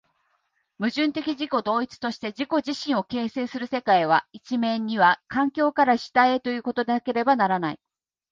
矛盾的自己同一として自己自身を形成する世界は、一面には環境から主体へということでなければならない。